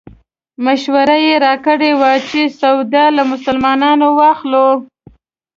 مشوره یې راکړې وه چې سودا له مسلمانانو واخلو.